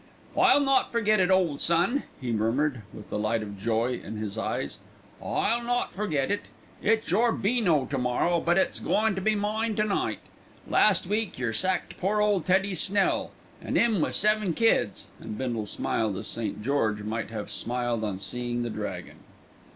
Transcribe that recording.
"I'll not forget it, ole son," he murmured, with the light of joy in his eyes. "I'll not forget it. It's your beano to morrow, but it's goin' to be mine to night. Last week yer sacked poor ole Teddy Snell, an' 'im wi' seven kids," and Bindle smiled as St. George might have smiled on seeing the dragon.